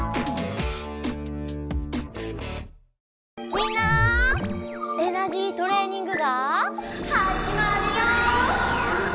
みんなエナジートレーニングがはじまるよ！